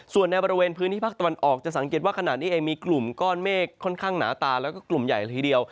ส่วนในบริเวณพื้นที่ภาคตะวันออกจะสังเกตว่าขณะนี้เองมีกลุ่มก้อนเมฆค่อนข้างหนาตาแล้วก็กลุ่มใหญ่ละทีเดียว